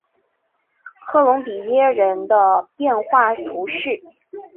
科隆比耶人口变化图示